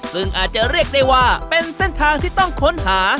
ซึ่งอาจจะเรียกได้ว่าเป็นเส้นทางที่ต้องค้นหา